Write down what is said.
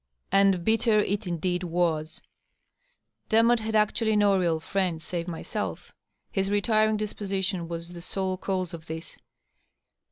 And bitter it indeed was ! Demotte had actually no real friend save myself. His retiring disposition was the sole cause of this.